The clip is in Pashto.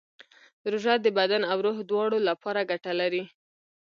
روژه د بدن او روح دواړو لپاره ګټه لري.